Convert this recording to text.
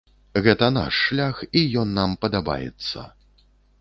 Гэта наш шлях і ён нам падабаецца.